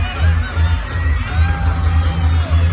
กลับไปกลับไป